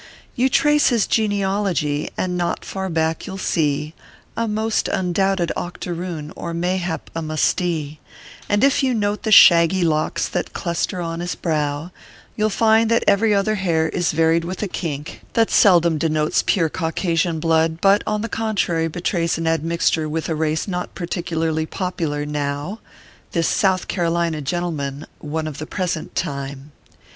You trace his genealogy, and not far back you ll seo A most undoubted octoroon, or mayhap a mustee ; And if you note the shaggy locks that cluster on his brow, You ll find that every other hair is varied with a kink, that seldom denotes pure Caucasian blood ; but, on the contrary, betrays an admixture with a race not particularly popular now This South Carolina gentleman, One of the present time.